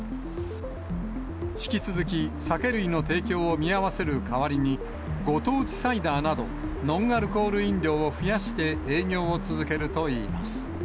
引き続き酒類の提供を見合わせる代わりに、ご当地サイダーなど、ノンアルコール飲料を増やして、営業を続けるといいます。